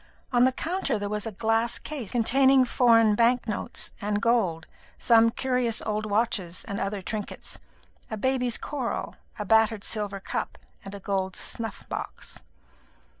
On the counter there was a glass case containing foreign bank notes and gold, some curious old watches, and other trinkets, a baby's coral, a battered silver cup, and a gold snuff box.